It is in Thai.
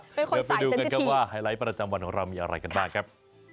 เดี๋ยวไปดูกันครับว่าไฮไลท์ประจำวันของเรามีอะไรกันบ้างครับ